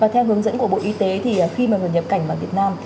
theo hướng dẫn của bộ y tế thì khi mà người nhập cảnh vào việt nam